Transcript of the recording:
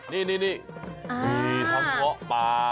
นี่ทั้งเกาะป่า